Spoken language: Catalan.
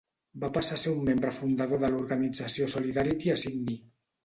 Va passar a ser un membre fundador de l'organització Solidarity a Sydney.